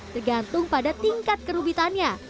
tergantung pada tingkat kerubitannya